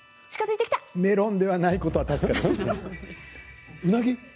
メロンではないことは確かです。